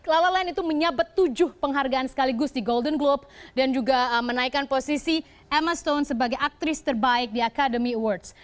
lala lain itu menyabet tujuh penghargaan sekaligus di golden globe dan juga menaikkan posisi emma stone sebagai aktris terbaik di academy awards